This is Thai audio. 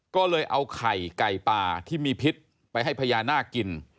ก็เลยเอาไข่ไก่ป่าที่มีพิษไปให้พญานาคกิน